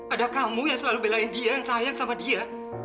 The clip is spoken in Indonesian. ada kamu yang selalu belain dia yang sayang sama dia